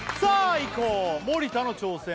行こう森田の挑戦